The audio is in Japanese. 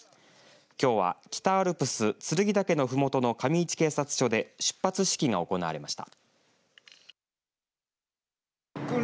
きょうは北アルプス剱岳のふもとの上市警察署で出発式が行われました。